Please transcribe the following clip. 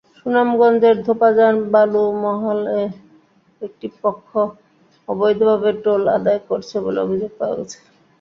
সুনামগঞ্জের ধোপাজান বালুমহালে একটি পক্ষ অবৈধভাবে টোল আদায় করছে বলে অভিযোগ পাওয়া গেছে।